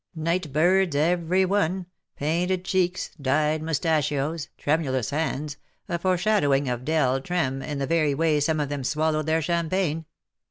Night birds, every one — painted cheeks — dyed moustachios — tremulous hands — a foreshadowing of del. trem. in the very way some of them swallowed their champagne.